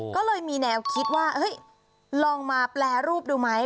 ก็เลยมีแนวคิดว่าลองมาแปรรูปดูไหม